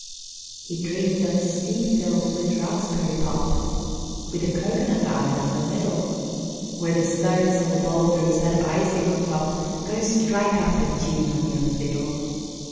He dreamed of a sea filled with raspberry pop, With a cocoanut isle in the middle, Where the stones and the boulders had icing on top Go strike up a tune on your fiddle!